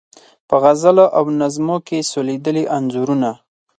په غزلو او نظمو کې سولیدلي انځورونه